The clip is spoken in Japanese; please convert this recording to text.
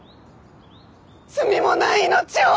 罪もない命を！